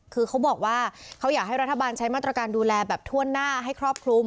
คือเขาบอกว่าเขาอยากให้รัฐบาลใช้มาตรการดูแลแบบถ้วนหน้าให้ครอบคลุม